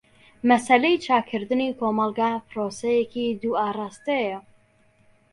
مەسەلەی چاکردنی کۆمەلگا پرۆسەیەکی دوو ئاراستەیە.